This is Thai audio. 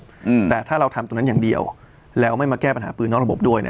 อืมแต่ถ้าเราทำตรงนั้นอย่างเดียวแล้วไม่มาแก้ปัญหาปืนนอกระบบด้วยเนี้ย